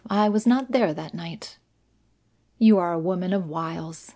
I was not there that night." "You are a woman of wiles.